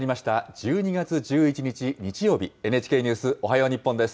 １２月１１日日曜日、ＮＨＫニュースおはよう日本です。